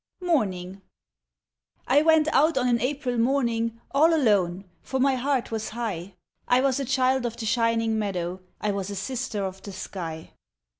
Morning I went out on an April morning All alone, for my heart was high, I was a child of the shining meadow, I was a sister of the sky.